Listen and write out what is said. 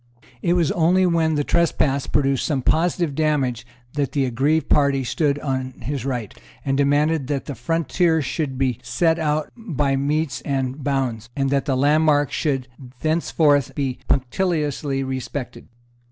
It was only when the trespass produced some positive damage that the aggrieved party stood on his right, and demanded that the frontier should be set out by metes and bounds, and that the landmarks should thenceforward be punctiliously respected.